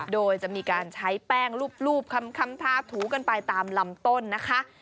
โดยจะมีการใช้แป้งรูปคำทาถูกันไปตามลำต้นนะคะ